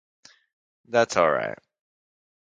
That's all right.